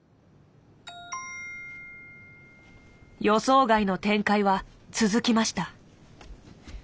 予想外の展開は続きました。